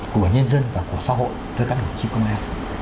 của nhân dân và của xã hội tới các đồng chí công an